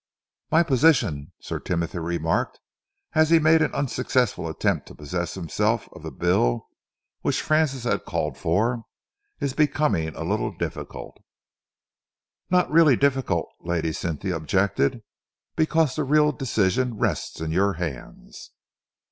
"My position," Sir Timothy remarked, as he made an unsuccessful attempt to possess himself of the bill which Francis had called for, "is becoming a little difficult." "Not really difficult," Lady Cynthia objected, "because the real decision rests in your hands."